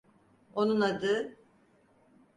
Onun adı…